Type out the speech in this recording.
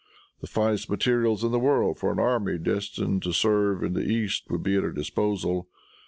The finest materials in the world for an army destined to serve in the East would be at her disposal.